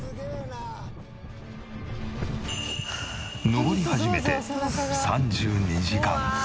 登り始めて３２時間。